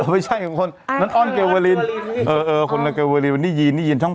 ไม่ใช่คนนั้นอ้อนเกวอลินเออเออคนในเกวอลินนี่ยีนนี่ยีนช่อง